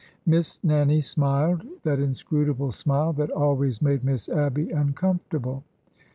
Miss Nannie smiled— that inscrutable smile that al ways made Miss Abby uncomfortable.